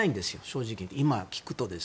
正直、聞くと。